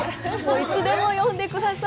いつでも呼んでください。